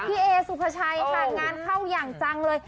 พี่เอสุภาชัยค่ะงานเข้าอย่างจังเลย